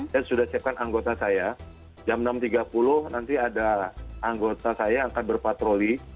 saya sudah siapkan anggota saya jam enam tiga puluh nanti ada anggota saya akan berpatroli